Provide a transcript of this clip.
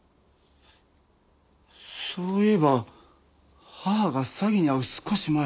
そういえば母が詐欺に遭う少し前。